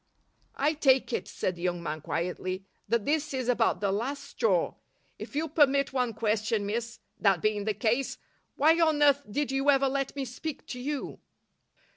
"I take it," said the young man, quietly, "that this is about the last straw. If you'll permit one question, miss, that being the case, why on earth did you ever let me speak to you?"